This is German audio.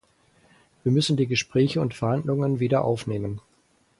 Wir müssen die Gespräche und Verhandlungen wieder aufnehmen.